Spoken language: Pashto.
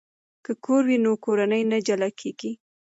که کور وي نو کورنۍ نه جلا کیږي.